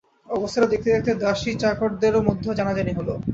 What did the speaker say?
অবস্থাটা দেখতে দেখতে দাসীচাকরদের মধ্যেও জানাজানি হল।